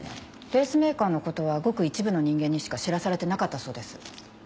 ペースメーカーのことはごく一部の人間にしか知らされてなかったそうです。